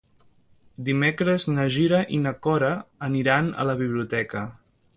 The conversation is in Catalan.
Dimecres na Gina i na Cora aniran a la biblioteca.